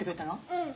うん。